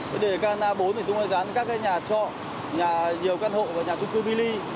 cái đề can a bốn thì chúng tôi dán ở các nhà trọ nhà nhiều căn hộ và nhà chung cư mini